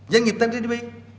doanh nghiệp tăng gdp